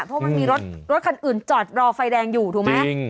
เพราะมันมีรถรถคันอื่นจอดรอไฟแดงอยู่ถูกไหม